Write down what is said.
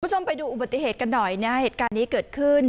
คุณผู้ชมไปดูอุบัติเหตุกันหน่อยนะเหตุการณ์นี้เกิดขึ้น